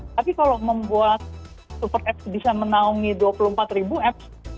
tapi kalau membuat super apps bisa menaungi dua puluh empat ribu apps